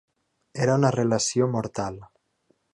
Era una relació mortal.